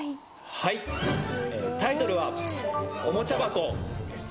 はいええタイトルは「おもちゃ箱」です